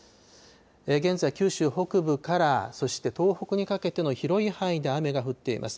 現在、九州北部からそして東北にかけての広い範囲で雨が降っています。